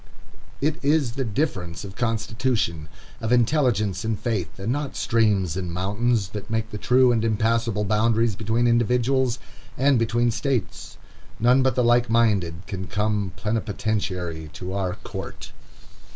It is the difference of constitution, of intelligence, and faith, and not streams and mountains, that make the true and impassable boundaries between individuals and between states. None but the like minded can come plenipotentiary to our court.